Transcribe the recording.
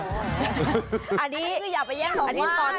อันนี้คืออย่าไปแย่งของไหว้